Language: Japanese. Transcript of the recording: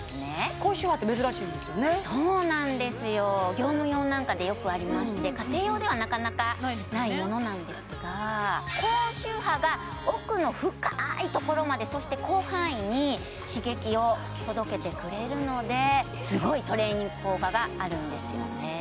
業務用なんかでよくありまして家庭用ではなかなかないものなんですが高周波が奥の深いところまでそして広範囲に刺激を届けてくれるのですごいトレーニング効果があるんですよね